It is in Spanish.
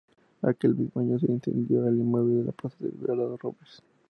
Aquel mismo año se incendió el inmueble de la Plaza de Bernardo Robles.